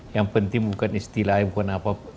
yang penting bukan istilahnya bukan apa apa